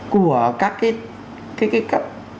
của các cái cấp